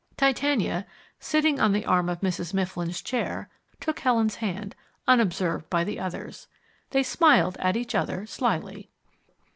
Titania, sitting on the arm of Mrs. Mifflin's chair, took Helen's hand, unobserved by the others. They smiled at each other slyly.